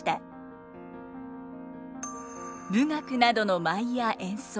舞楽などの舞や演奏。